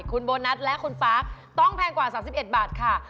คุณโบนัสและคุณฟ้าต้องแพงกว่า๓๑บาทค่ะ